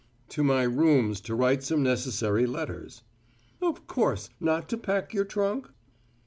"To my rooms to write some necessary letters." "Of course not to pack your trunk?"